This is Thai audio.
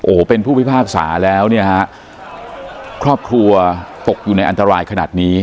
โอ้โหเป็นผู้พิพากษาแล้วเนี่ยฮะครอบครัวตกอยู่ในอันตรายขนาดนี้